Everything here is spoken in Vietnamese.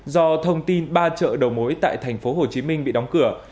do thông tin ba chợ đầu mối tại tp hcm bị đóng cửa